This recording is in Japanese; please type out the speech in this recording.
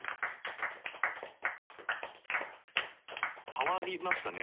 変わりましたね。